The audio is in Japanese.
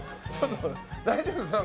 大丈夫ですか？